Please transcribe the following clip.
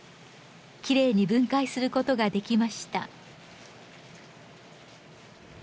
きれいに分解することができました。